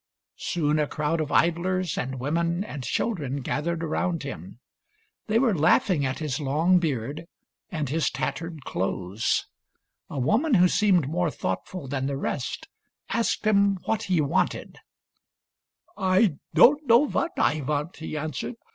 Soon a crowd of idlers and women and children gathered around him. They were laughing at his long beard and his tattered clothes. A woman who PETER KLAUS THE GOATHERD 233 seemed more thoughtful than the rest asked him what he wanted. " I don't know what I want," he answered.